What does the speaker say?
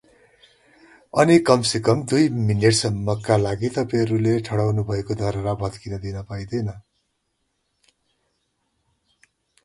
अनि कमसेकम दुई मिनेटसम्मका लागि तपाईंहरूले ठड्याउनुभएको धरहरा भत्किन दिन पाइँदैन ।